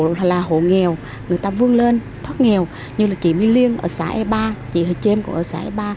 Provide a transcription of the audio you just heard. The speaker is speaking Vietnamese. là là hộ nghèo người ta vươn lên thoát nghèo như là chị my liên ở xã e ba chị hồ chêm cũng ở xã e ba